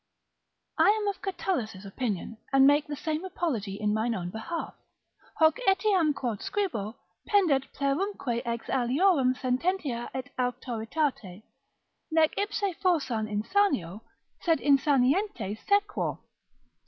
I am of Catullus' opinion, and make the same apology in mine own behalf; Hoc etiam quod scribo, pendet plerumque ex aliorum sententia et auctoritate; nec ipse forsan insanio, sed insanientes sequor.